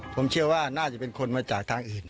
ผมเชื่อว่าน่าจะเป็นคนมาจากทางอื่น